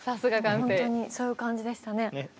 本当にそういう感じでしたね。